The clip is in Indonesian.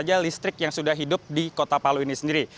saja listrik yang sudah hidup di kota palu ini sendiri